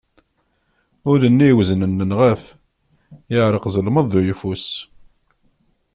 Ul-nni iweznen nenγa-t, yeԑreq ẓelmeḍ d uyeffus.